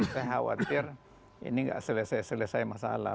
saya khawatir ini nggak selesai selesai masalah